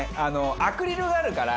アクリルがあるから。